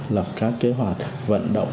lập các kế hoạch vận động